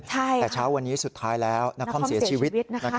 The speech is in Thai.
แต่เช้าวันนี้สุดท้ายแล้วนักคอมเสียชีวิต